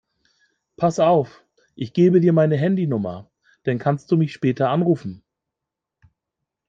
Pass auf, ich gebe dir meine Handynummer, dann kannst du mich später anrufen.